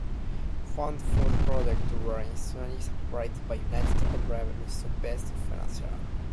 Funds for the project were initially supplied by United Arab Emirates-based financiers.